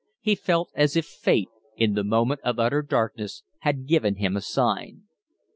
He felt as if fate, in the moment of utter darkness, had given him a sign.